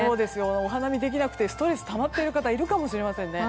お花見できなくてストレスたまってる方いるかもしれませんね。